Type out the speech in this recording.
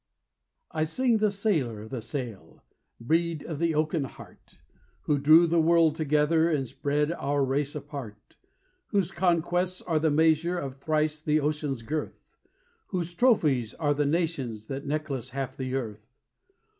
I sing the Sailor of the Sail, breed of the oaken heart, Who drew the world together and spread our race apart, Whose conquests are the measure of thrice the ocean's girth, Whose trophies are the nations that necklace half the earth.